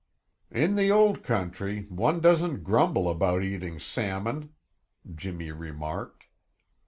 "In the Old Country, one doesn't grumble about eating salmon," Jimmy remarked.